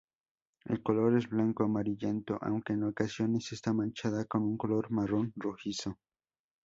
El color es blanco amarillento, aunque en ocasiones está manchada con un color marrón-rojizo.